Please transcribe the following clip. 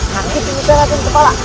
sakit juga raden kepala